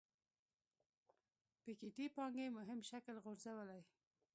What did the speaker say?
پيکيټي پانګې مهم شکل غورځولی.